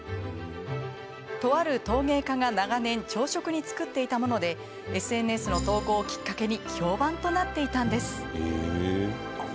とある陶芸家が長年、朝食に作っていたものでＳＮＳの投稿をきっかけに評判となっていたんです。